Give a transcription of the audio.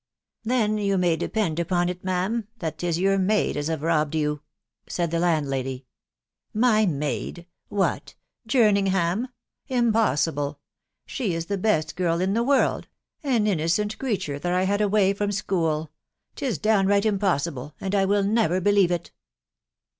" Then you may depend upon it, ma'am, that 'tis your maid as have robbed you," said the landlady. " My maid !.... What ! Jerningham ?.... Impossible !.... She is the best girl in the world — an innocent creature that I had away from school .... 'Tis downright impossible, and I never will believe it."